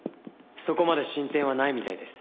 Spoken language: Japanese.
そこまで進展はないみたいです。